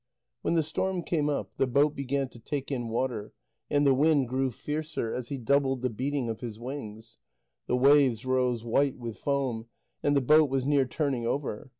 When the storm came up, the boat began to take in water, and the wind grew fiercer, as he doubled the beating of his wings. The waves rose white with foam, and the boat was near turning over.